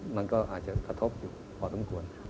มันก็อาจจะกระทบอยู่พอสมควร